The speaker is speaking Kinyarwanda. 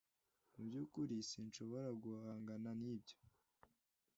Mu byukuri sinshobora guhangana nibyo.